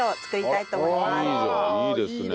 いいですね。